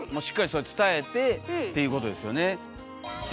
しっかりそうやって伝えてっていうことですよね。